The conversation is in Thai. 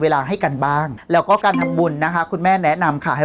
เวลาให้กันบ้างแล้วก็การทำบุญนะคะคุณแม่แนะนำค่ะให้